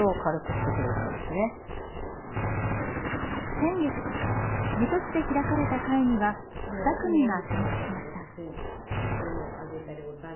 先月水戸市で開かれた会には２組が参加しました。